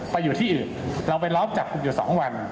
ไปอยู่ที่อื่นเราไปร้อมจับคุกอยู่สองวัน